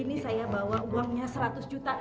ini saya bawa uangnya seratus juta